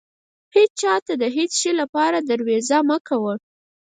هيچا ته د هيڅ شې لپاره درويزه مه کوه.